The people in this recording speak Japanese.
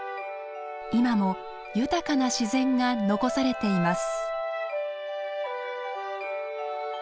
今も豊かな自然が残されています。